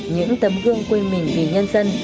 những tấm gương quên mình vì nhân dân